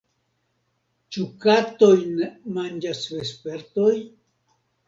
Ĉu katojn manĝas vespertoj?